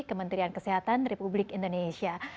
kementerian kesehatan republik indonesia